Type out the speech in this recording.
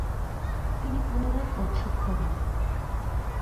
তিনি পুনরায় অধ্যক্ষ হন।